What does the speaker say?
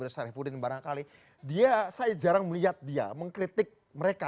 saya jarang melihat dia mengkritik mereka